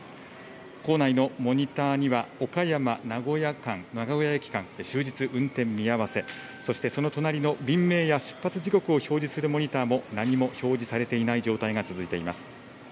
構内のモニターには、岡山・名古屋間、名古屋駅間、終日運転見合わせ、そしてその隣の便名や出発時刻を表明するモニターも何も表示されていない状態が続いています。